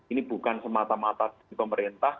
ini bukan semata mata di pemerintah